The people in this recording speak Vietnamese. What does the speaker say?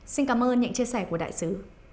xin cảm ơn những chia sẻ của đại sứ